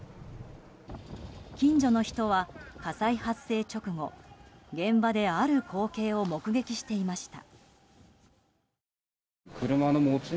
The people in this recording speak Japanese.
近所の人は火災発生直後、現場である光景を目撃していました。